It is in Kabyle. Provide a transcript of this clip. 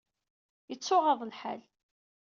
Ittuɣaḍ lḥal.